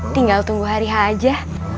tinggal tunggu hari haja